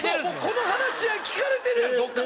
この話し合い聞かれてるやろどっかで。